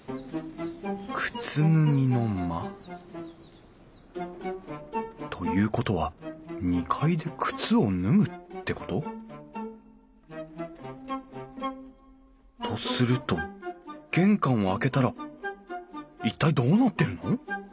靴脱ぎの間。ということは２階で靴を脱ぐってこと？とすると玄関を開けたら一体どうなってるの？